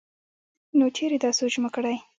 نو چرې دا سوچ مو کړے